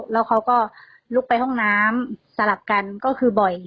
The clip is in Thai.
แล้วเขาก็ลุกไปห้องน้ำสลับกันก็คือบ่อย